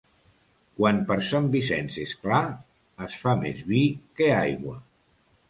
Quan per Sant Vicenç és clar, es fa més vi que aigua.